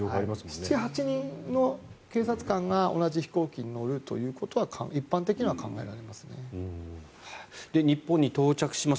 ７８人の警察官が同じ飛行機に乗るということがで、日本に到着します